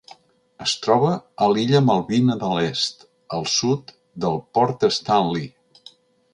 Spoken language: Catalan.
Es troba a l'illa Malvina de l'Est al sud del port Stanley.